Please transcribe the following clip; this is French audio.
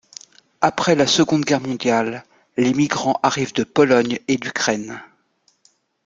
Après la Seconde Guerre mondiale, les migrants arrivent de Pologne et d'Ukraine.